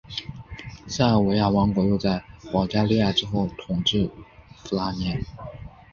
塞尔维亚王国又在保加利亚之后统治弗拉涅。